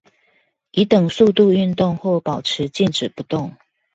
以等速度運動或保持靜止不動